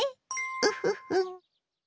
ウフフ。